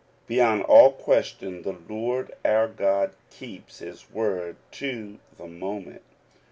Beyond all question, the Lord our God keeps his word to the moment.